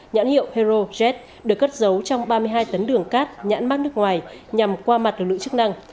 nhãn hiệu hero jet được cất giấu trong ba mươi hai tấn đường cát nhãn mát nước ngoài nhằm qua mặt lực lượng chức năng